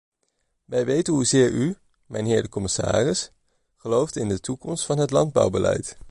Wij weten hoezeer u, mijnheer de commissaris, gelooft in de toekomst van het landbouwbeleid.